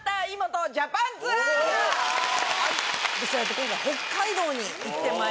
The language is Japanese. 今回北海道に行ってまいりました。